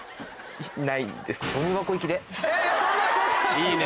いいね。